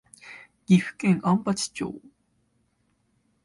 岐阜県安八町